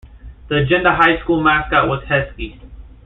The Agenda High School mascot was Huskies.